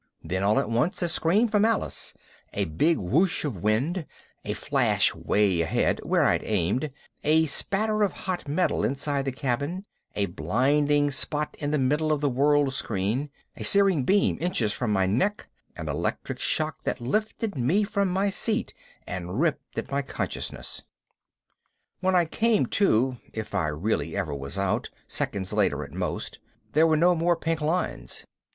Then all at once a scream from Alice, a big whoosh of wind, a flash way ahead (where I'd aimed), a spatter of hot metal inside the cabin, a blinding spot in the middle of the World Screen, a searing beam inches from my neck, an electric shock that lifted me from my seat and ripped at my consciousness! When I came to (if I really ever was out seconds later, at most) there were no more pink lines.